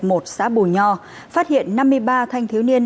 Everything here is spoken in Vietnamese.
ủy ban nhân dân huyện phú riềng và xã bù nho phát hiện năm mươi ba thanh thiếu niên